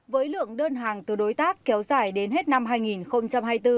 với lượng đơn hàng từ đối tác kéo dài đến hết năm hai nghìn hai mươi bốn